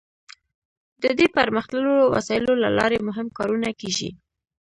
د دې پرمختللو وسایلو له لارې مهم کارونه کیږي.